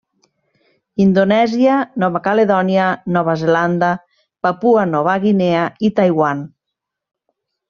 Indonèsia, Nova Caledònia, Nova Zelanda, Papua Nova Guinea i Taiwan.